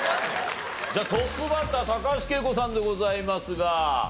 トップバッター高橋惠子さんでございますが。